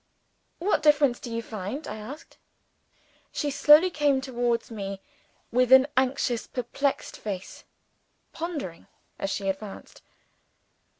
"What difference do you find?" I asked. She slowly came towards me, with an anxious perplexed face; pondering as she advanced.